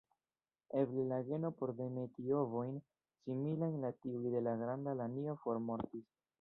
Eble la geno por demeti ovojn similajn al tiuj de la Granda lanio formortis.